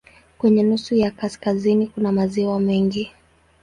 Kwenye nusu ya kaskazini kuna maziwa mengi.